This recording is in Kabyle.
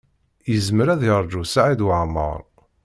Yezmer ad yeṛju Saɛid Waɛmaṛ.